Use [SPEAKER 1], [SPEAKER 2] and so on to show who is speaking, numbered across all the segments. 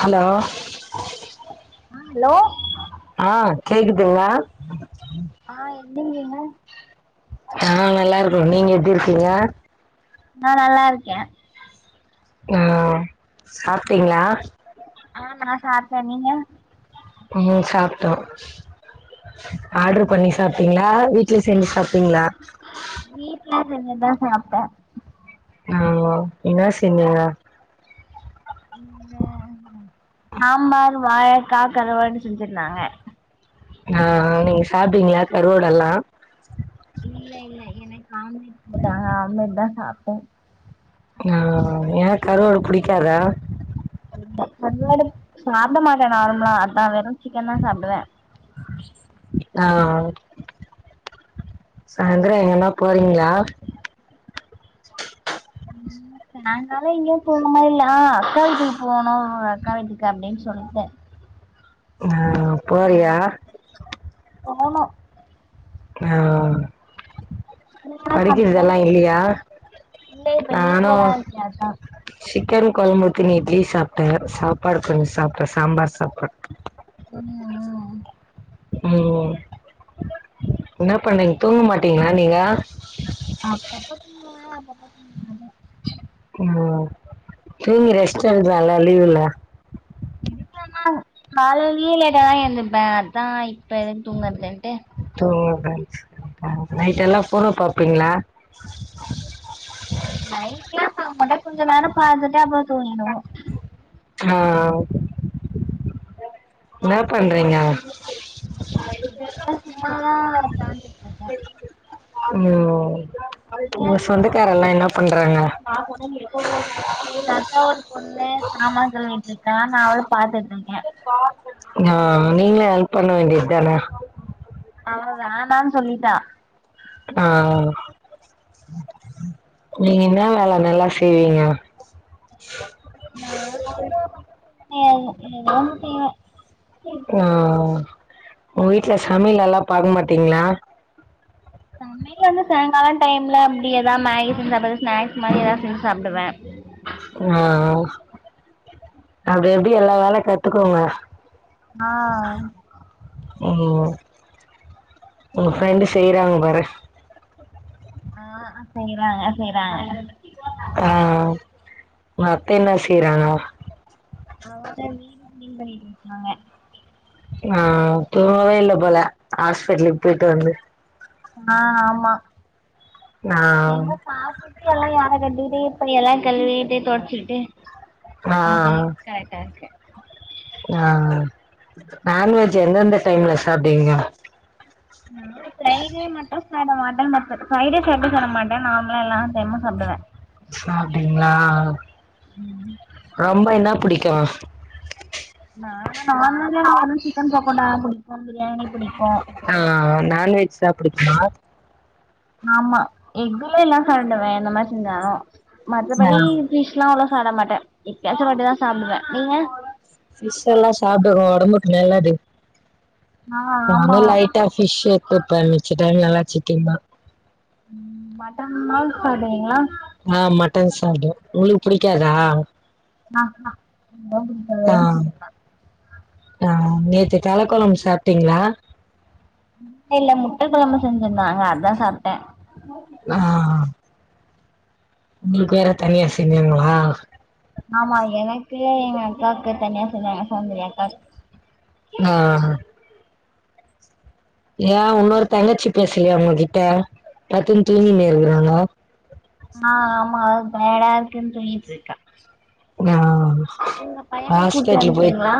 [SPEAKER 1] hello
[SPEAKER 2] ஆ hello
[SPEAKER 1] ஆ கேக்குதுங்ளா
[SPEAKER 2] ஆ எந்திரிக்கிலங்க
[SPEAKER 1] ஆ நல்லா இருக்கோ நீங்க எப்டி இருக்கீங்க
[SPEAKER 2] நா நல்லாருக்கே
[SPEAKER 1] ஆ
[SPEAKER 2] ஆ
[SPEAKER 1] சாப்டீங்ளா
[SPEAKER 2] ஆ நா சாப்டே நீங்க
[SPEAKER 1] ம் சாப்டோ ஆர்டர் பண்ணி சாப்டீங்ளா வீட்லயே செஞ்சி சாப்டீங்ளா
[SPEAKER 2] வீட்ல செஞ்சி தா சாப்டோ
[SPEAKER 1] ஆ ஓ என்னா செஞ்சீங்க
[SPEAKER 2] இங்க சாம்பாரு வாழக்கா கருவாடு செஞ்சிருதாங்க
[SPEAKER 1] ஆ நீங்க சாப்டீங்ளா கருவோடெல்லா
[SPEAKER 2] இல்ல இல்ல எனக்கு ஆம்லேட் போடாங்க ஆம்மேட் தா சாப்டே
[SPEAKER 1] ஆ ஏயா கருவோடு புடிக்காதா
[SPEAKER 2] இந்த கர்வாடு சாப்ட மாட்டே நார்மலா அதா வெறு சிக்கன் தா சாப்டுவே
[SPEAKER 1] ஆ சாயிந்திரோ எங்கனா போறீங்ளா
[SPEAKER 2] ம் சாயிங்காலோ எங்கயோ போனு மாரில்ல ஆ அக்கா வீட்டுக் போனு அக்கா வீட்டுக்கு அப்டின் சொல்டே
[SPEAKER 1] என்னா வேணு
[SPEAKER 2] நான் போனு
[SPEAKER 1] ஆ
[SPEAKER 2] நீங்க என்ன சாப்ட்டீங்க
[SPEAKER 1] படிக்கிறதெல்லா இல்லியா
[SPEAKER 2] இல்ல இப்ப
[SPEAKER 1] நானு
[SPEAKER 2] லீவ்ல தா இருக்கே அதா
[SPEAKER 1] சிக்கரு கொழம்பு ஊத்தினு இட்லி சாப்டே சாப்பாடு கொஞ்சோ சாப்டே சாம்பார் சாப்பாட்
[SPEAKER 2] சோனியா
[SPEAKER 1] ஓ என்னா பண்ணீங் தூங்க மாட்டீங்ளா நீங்க
[SPEAKER 2] அப்பப்போ தூங்குவே அப்பப்போ தூங்க மாட்டேன
[SPEAKER 1] ஓ தூங்கி ரெஸ்ட் எடுக்கலால்ல லீவுல
[SPEAKER 2] இருக்கலா தா காலையிலையு லேட்டாதா எந்திப்பே அதா இப்ப எதுக்கு தூங்கறதுன்ட்டு
[SPEAKER 1] ஒ ஓ நைட்டெல்லா ஃபோனோ பாப்பீங்ளா
[SPEAKER 2] நைட்லா பாக்க மாட்ட கொஞ்ச நேரோ பாத்துட்டு அப்றோ தூங்கிடுவோ
[SPEAKER 1] ஆ ஆ இன்னா பண்றீங்க
[SPEAKER 2] இப்ப சும்மாதா உக்காந்துட்ருக்கே
[SPEAKER 1] ஓ
[SPEAKER 2] நீங்க
[SPEAKER 1] உங்க சொந்தக்காரவ்ல்லா என்ன பண்றாங்க
[SPEAKER 2] எங்க அக்காவோட பொண்ணு சாமா கழுவிட்ருக்கா நா அவள பாத்துட்ருக்கே
[SPEAKER 1] ஆ நீங்களு ஹெல்ப் பண்ண வேண்டிய தான
[SPEAKER 2] அவ வேணான் சொல்லிட்டா
[SPEAKER 1] அ அ நீங்க இன்னா வேல நல்லா செய்வீங்க
[SPEAKER 2] நா எதோ எதோ ஒன்னு செய்வ
[SPEAKER 1] ஆ உங்க வீட்ல சமைல்லல்லா பாக்க மாட்டீங்ளா
[SPEAKER 2] சமையல் வந்து சாயங்கால டைம்ல அப்டி எதாவ் மேகி செஞ்சு சாப்டுவே ஸ்நாக்ஸ் மாரி எதாவ்து செஞ்சு சாப்டுவே
[SPEAKER 1] ஆ ஆ அப்டி அப்டி எல்லா வேல கத்துக்கோங்க
[SPEAKER 2] ஆ
[SPEAKER 1] உங்க ஃப்ரெண்டு செய்றாங்க பாரு
[SPEAKER 2] ஆ அ செய்றாங்க செய்றாங்க
[SPEAKER 1] ஆ உங்க அத்த என்ன செய்றாங்க
[SPEAKER 2] அவுங்க வீடு கிளீன் பண்ணிட்ருக்காங்க
[SPEAKER 1] ஆ தூங்கவே இல்ல போல ஹாஸ்பிட்டலுக்கு போயிட்டு வந்து
[SPEAKER 2] ஆ ஆமா
[SPEAKER 1] நான்
[SPEAKER 2] எங்க சாப்புட் எல்லா ஏர கட்டிட்டு இப்ப எல்லா கழுவிட்டு தொட்ச்சுட்டு அதே
[SPEAKER 1] நான்
[SPEAKER 2] கரக்டா இருக்க
[SPEAKER 1] ஆ ஆ நான்வெஜ் எந்தெந்த டைம்ல சாப்டுவீங்க
[SPEAKER 2] [inaudible] ஃப்ரைடே மட்டு சாப்டா மாட்ட மத்த ஃப்ரைடே சாட்டர்டே சாப்ட மாட்ட நார்மலா எல்லா டைம்மு சாப்டுவ
[SPEAKER 1] சாப்ட்வீங்ளா
[SPEAKER 2] ம்
[SPEAKER 1] ரொம்ப இன்னா புடிக்கும்
[SPEAKER 2] நாங்க நான் வெஜ்ஜுல நம்ளுக் வந்து சிக்கன் பக்கோட்டா புடிக்கும் பிரியாணி பிடிக்கும்
[SPEAKER 1] ஆ நான்வெஜ்தா புடிக்குமா
[SPEAKER 2] ஆமா எக்குல எல்லா சாப்டுவே எந்த மாரி செஞ்சாலும் மத்தபடி ஃபிஷ்லா அவ்ளவ் சாப்ட மாட்ட எப்யாச்சும் ஒரு வாட்டி தா சாப்டுவ நீங்க
[SPEAKER 1] ஃபிஷ் எல்லா சாப்டுங்க ஒடம்புக்கு நல்லது
[SPEAKER 2] ஆ ஆமா
[SPEAKER 1] நானே லைட் டா ஃபிஷ் எத்துப்ப மிச்ச டைம்லல்லா சிக்கன் தா
[SPEAKER 2] ம் மட்டன்லா சாப்டுவீங்ளா
[SPEAKER 1] ஆ மட்டன் சாப்டுவ உங்களுக்கு பிடிக்காதா
[SPEAKER 2] அ ஆ ரொம்ப புடிக்
[SPEAKER 1] ஆ ஆ நேத்து தலக்கொழம்பு சாப்ட்டீங்ளா
[SPEAKER 2] இல்லல்ல முட்ட கொழம்பு செஞ்சிருந்தாங்க அதா சாப்ட்ட
[SPEAKER 1] ஆ உங்களுக்கு வேற தனியா செஞ்சாங்ளா
[SPEAKER 2] ஆமா எனக்கு எங்க அக்காக்கு தனியா செஞ்சாங்க சோம்பேறி அக்காக்
[SPEAKER 1] ஆ ஏன் உன்னொரு தங்கச்சி பேசலையா உங்ககிட்ட பத்துன் தூங்கீனு இருக்குறாங்க
[SPEAKER 2] ஆ ஆமா அவ டாயடா இருக்குன் தூங்கிட்ருக்கா
[SPEAKER 1] ஆ
[SPEAKER 2] உங்க பையன கூட்டு
[SPEAKER 1] ஹாஸ்பிட்டல் போய்
[SPEAKER 2] வந்ட்டீங்ளா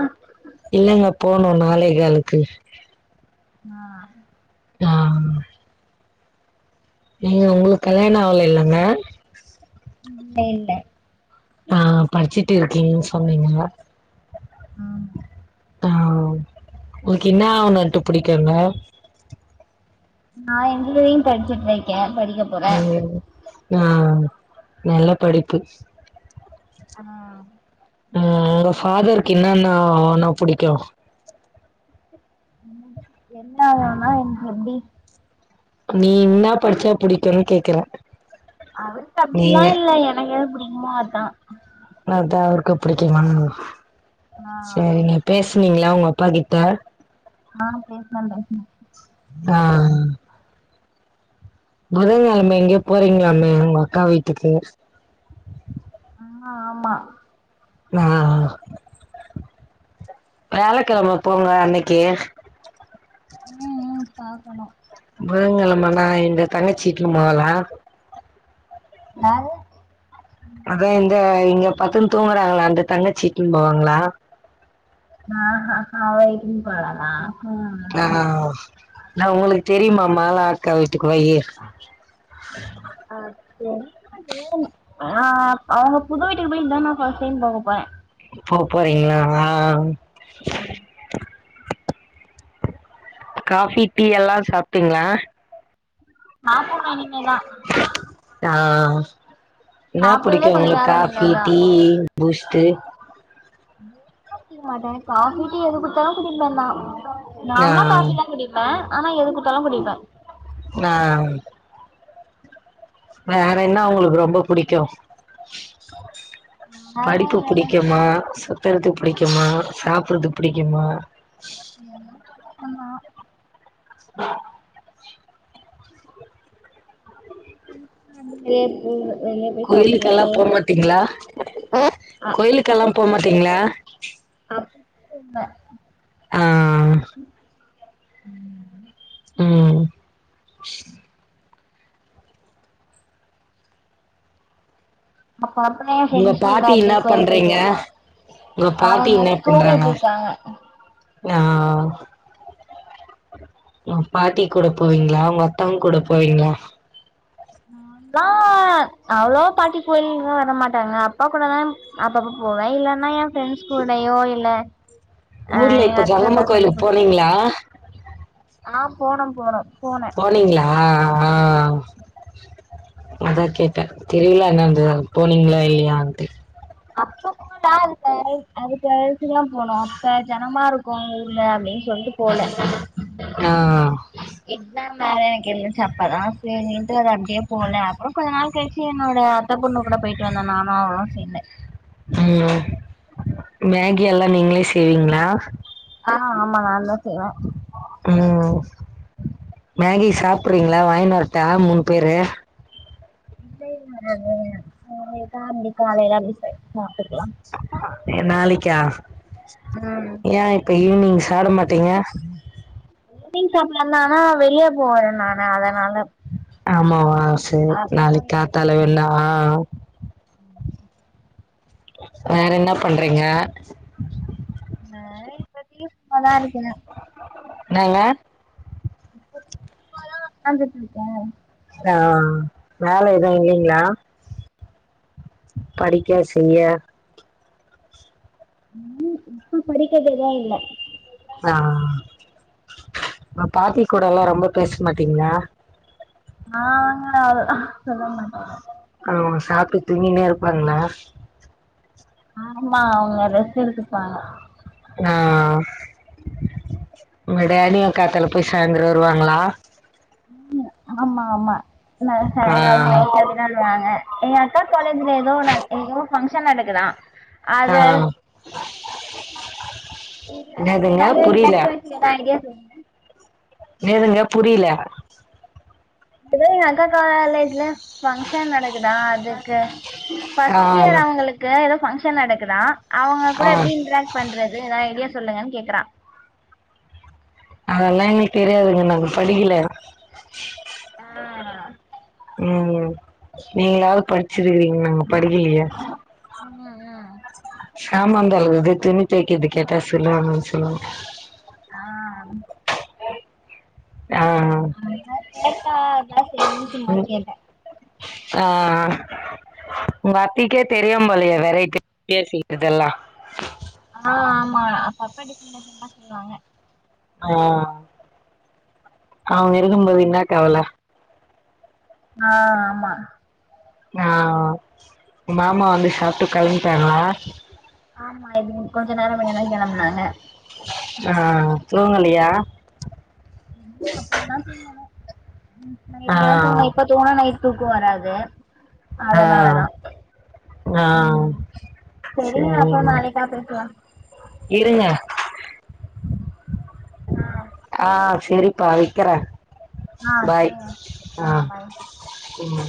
[SPEAKER 1] இல்லங்க போனு நாலே காலுக்கு
[SPEAKER 2] ஆ
[SPEAKER 1] [unintelligible] நீங்க உங்ளுக்கு கல்யாணோ ஆவல இல்லங்க
[SPEAKER 2] இல்ல இல்ல
[SPEAKER 1] ஆ படிச்சுட் இருக்கீங்ன்னு சொன்னீங்க
[SPEAKER 2] அ
[SPEAKER 1] தா உங்ளுக்கு என்னா அவனுன்ட்டு புடிக்குங்க
[SPEAKER 2] நா இன்ஜினியரிங் படிச்சுட்ருக்கே படிக்கப்
[SPEAKER 1] ம் ஆ நல்லா படிப்பு
[SPEAKER 2] ஆ
[SPEAKER 1] அ உங்க ஃபாதர்க்கு என்னான்னா ஆனா புடிக்கு
[SPEAKER 2] என்னா ஆனா என எப்டி
[SPEAKER 1] நீ என்னா படிச்சா புடிக்குன்னு கேக்கறே
[SPEAKER 2] அவருக்கு அப்டில்லா இல்ல எனக்கு எது புடிக்குமோ அதா
[SPEAKER 1] அதா அவருக்கு புடிக்கும்மன்
[SPEAKER 2] ஆ
[SPEAKER 1] சேரிங்க பேசுனீங்களா உங்க அப்பா கிட் ட
[SPEAKER 2] ஆ பேசுன பேசுன
[SPEAKER 1] ஆ புதங்கெழம்ம எங்யோ போறீங்களாமே உங்க அக்கா வீட்டுக்கு
[SPEAKER 2] ஆ ஆமா
[SPEAKER 1] ஆ வியாழக்கெழம போங்க அன்னைக்கி
[SPEAKER 2] ம் ம் பக்கணு
[SPEAKER 1] புதங்கெழம்மன்னா எங்க தங்கச்சீட்டுல மாலா
[SPEAKER 2] யாரு
[SPEAKER 1] அதா இந்த இங்க பத்துன்னு தூங்கறாங்கள அந்த தங்கச்சீ இட்டுன்னு போவாங்களா
[SPEAKER 2] ஆ ஹ ஹ அவ இட்ன்னு போராலா
[SPEAKER 1] ஆ நா உங்ளுக்கு தெரியுமா மாலா அக்கா வீட்டுக்கு வயி
[SPEAKER 2] ஆ [unintelligible] [inaudible] ஆ அவுங்க புது வீட்டுக்கு போயி இதா நா ஃபர்ஸ்ட் டைம் பாக்கபோற
[SPEAKER 1] போப்போறீங்களா
[SPEAKER 2] ஆ
[SPEAKER 1] காபி டீ எல்லா சாப்ட்டிங்ளா
[SPEAKER 2] சாப்புன்னு இனிமேதா
[SPEAKER 1] ஆ என்னா
[SPEAKER 2] சாப்ட்டதே
[SPEAKER 1] புடிக்கு
[SPEAKER 2] கொஞ்ச
[SPEAKER 1] உங்ளுக்கு
[SPEAKER 2] நேரோ
[SPEAKER 1] காபி
[SPEAKER 2] முன்னதா
[SPEAKER 1] டீயி பூஸ்ட்டு
[SPEAKER 2] [unintelligible] மாட்டே காஃபி டீ எது குடுத்தாலு குடிப்பந்தா
[SPEAKER 1] ஆ
[SPEAKER 2] நார்மலா காபி தா குடிப் ப்ப அனா எது குட்த்தாலு குடிப்ப
[SPEAKER 1] நா வேற என்ன உங்களுக்கு ரொம்ப புடிக்கு
[SPEAKER 2] வேற
[SPEAKER 1] படிப்பு
[SPEAKER 2] என்ன
[SPEAKER 1] புடிக்குமா சுத்துறது புடிக்குமா சாப்பட்றது புடிக்குமா
[SPEAKER 2] எல்லா புடிக்குந்தா [unintelligible]
[SPEAKER 1] கோயிலுக்கல்லா
[SPEAKER 2] சாப்புட்றது
[SPEAKER 1] போமாட்டிங்களா [unintelligible]
[SPEAKER 2] அ
[SPEAKER 1] கோயிலுக்கல்லா போமாட்டீங்களா
[SPEAKER 2] ஹலோ
[SPEAKER 1] ஆ
[SPEAKER 2] ம்
[SPEAKER 1] ம்
[SPEAKER 2] அப்ப அப்ப எ
[SPEAKER 1] உங்க
[SPEAKER 2] ஃப்ரெண்ட்ஸ் கூட
[SPEAKER 1] பாட்டி என்ன
[SPEAKER 2] அப்டியே கோயில் போயிட்டு
[SPEAKER 1] பண்றீங்க
[SPEAKER 2] வருவோ
[SPEAKER 1] உங்க பாட்டி
[SPEAKER 2] அவங்க
[SPEAKER 1] என்ன
[SPEAKER 2] தூங்கிட்டு
[SPEAKER 1] பண்றாங்கோ
[SPEAKER 2] இருக்காங்க
[SPEAKER 1] ஆ உங் பாட்டி கூட போவீங்களா உ டா கூட போவீங்களா
[SPEAKER 2] ஆ அவ்ளவா பாட்டி கோயில்கெல்லா வர மாட்டாங்க அப்பா கூட தா அப்ப அப்ப போவ இல்லன்னா எ ஃப்ரெண்ட்ஸ் கூடயோ இல்ல ஆ எங்க அத்த பசங்க கு
[SPEAKER 1] ங்களா
[SPEAKER 2] ஆ போனம் போனம்
[SPEAKER 1] போனீங்களா ஆ ஆ அதா கேட்ட தெர்ல [unintelligible] போனீங்களா இல்லையான்ட்டு
[SPEAKER 2] அப்ப [unintelligible] அது கழ்சுதா போனோ அப்ப ஜனமா இருக்கு ஊர்ல அப்டின் சொல்ட்டு போல
[SPEAKER 1] ஆ
[SPEAKER 2] எக்ஸாம் வேற எனக்கு இருந்துச்சி அப்பதா சரின்டு அது அப்டே போல அப்புறம் கொஞ்ச நாள் கழிச்சி என்னோட அத்த பொண்ணு கூட போயிட்டு வந்தோ நானு அவளு சேந்து
[SPEAKER 1] ம் மேகி எல்லா நீங்களே செய்வீங்களா
[SPEAKER 2] ஆ ஆமா நான்ந்த செய்வ
[SPEAKER 1] ம் மேகி சாப்பறீங்களா வாங்கின்வரட்டா மூணு பேரு
[SPEAKER 2] இல்லை [unintelligible] காலையில அப்டி சாப்பிட்டுக்கலா
[SPEAKER 1] எ நாளைக்கா
[SPEAKER 2] ம்
[SPEAKER 1] ஏ இப்ப ஈவினிங் சாட மாட்டீங்க
[SPEAKER 2] ஈவ்னிங் சாப்லனால வெளிய போவற நானு அதனால
[SPEAKER 1] ஆமாவா சரி
[SPEAKER 2] அக்கா
[SPEAKER 1] நாளைக்கா
[SPEAKER 2] வீட்டுக்கு
[SPEAKER 1] தலவில்லா ஹ வேற என்ன பண்றீங்க
[SPEAKER 2] நா இப்பத்திகி சும்மதா இருக்கற
[SPEAKER 1] என்னங்க
[SPEAKER 2] இப்பதிக்கு சும்மா தா வக்காந்துடு இருக்க
[SPEAKER 1] ஆ வேல எதுவு இல்லைங்களா படிக்க செய்ய
[SPEAKER 2] ம் இப்ப படிக்கததா இல்ல
[SPEAKER 1] ஆ பாட்டி கூட லா ரொம்ப பேசமாட்டீங்களா
[SPEAKER 2] ஆ அங்கா அல்ல சொல்ல மாட்ட
[SPEAKER 1] ஆ சாப்ட்டு தூங்கினே இருப்பாங்களா
[SPEAKER 2] ஆமா அவங்க ரெஸ்ட் எடுத்துப்பாங்க
[SPEAKER 1] ஆ உங்கடாடியு காத்தால போய் சாய்ந்தரோ வருவாங்களா
[SPEAKER 2] ம் ஆமா ஆமா ந
[SPEAKER 1] ஆ
[SPEAKER 2] சாய்ங்காலோ நைட் டுதா வராங்க எங்க அக்கா காலேஜ்ல எதோ எதோ பங்க்ஷன் நடக்குதா
[SPEAKER 1] ஆ
[SPEAKER 2] அத [inaudible]
[SPEAKER 1] என்னதுங்க புரியல
[SPEAKER 2] [unintelligible] சொல்
[SPEAKER 1] ஏதுங்க புரியில
[SPEAKER 2] இதோ எங்க அக்கா காலேஜ்ல பங்க்ஷன் நடக்குதா அதுக்கு
[SPEAKER 1] ஆ
[SPEAKER 2] ஃபர்ஸ்ட் இயர் அவுங்களுக்கு ஏதோ ஃபங்க்ஷன் நடக்குதா அவுங்க
[SPEAKER 1] ஆ
[SPEAKER 2] கூட எப்டி இன்ட்ராக்ட் பண்றது ஏதா ஐடியா சொல்லுங்கன் கேக்கறா
[SPEAKER 1] அதெல்லா எங்களுக்கு தெரியாதுங்க நாங்க படிக்கல
[SPEAKER 2] ஆ
[SPEAKER 1] ம் நீங்களாவது படிச்சிருக்கீங்க நாங்க படிக்கிலியே
[SPEAKER 2] ம் ம்
[SPEAKER 1] சாமான் தோழக்கறது துணி தொக்கற்து கேட்டா சொல்லுவானு சொல்வாங்க
[SPEAKER 2] ஆ
[SPEAKER 1] ஆ
[SPEAKER 2] ஆம்தா கேட்டா அதா செரின் சும்மா
[SPEAKER 1] ம்
[SPEAKER 2] கேட்ட
[SPEAKER 1] ஆ உங்க அத்திக்கே தெரியும் போலையே வேரைட்டி வேரைடியா செய்றதெல்லா
[SPEAKER 2] ஆ ஆமா அப்பப்ப டிப்ரென்ட் டிப்ரென்டா செய்வாங்க
[SPEAKER 1] ஆ அவுங்க இருக்கும்போது இன்னாக்கவல
[SPEAKER 2] ஆ ஆமா
[SPEAKER 1] ஆ மாமா வந்து சாப்ட்டு கிளம்பிட்டாங்களா
[SPEAKER 2] ஆமா இது கொஞ்ச நேர மின்னதா கிளம்ப்னாங்க
[SPEAKER 1] ஆ தூங்கலியா
[SPEAKER 2] இல்ல அப்றதா தூங்கணு
[SPEAKER 1] ஆ
[SPEAKER 2] நைட்டுக்கு தா தூங்கணு இப்ப தூங்ணா நைட் தூக்க வராது
[SPEAKER 1] ஆ
[SPEAKER 2] அதனாலதா
[SPEAKER 1] ஆ
[SPEAKER 2] ம் செரிங்க அப்பற
[SPEAKER 1] சரிங்க
[SPEAKER 2] நாளைக்கா பேசலா
[SPEAKER 1] இருங்க
[SPEAKER 2] ஆ
[SPEAKER 1] ஆ செரிப்பா வெக்கிற
[SPEAKER 2] ஆ
[SPEAKER 1] பாய்
[SPEAKER 2] சரிங்க
[SPEAKER 1] ஆ ம்